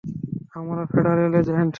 আমরা federal agent!